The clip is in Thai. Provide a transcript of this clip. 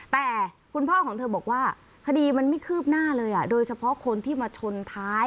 แต่คุณพ่อของเธอบอกว่าคดีมันไม่คืบหน้าเลยโดยเฉพาะคนที่มาชนท้าย